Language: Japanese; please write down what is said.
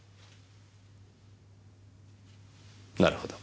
なるほど。